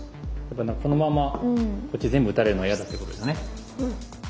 このままこっち全部打たれるのは嫌だってことですよね。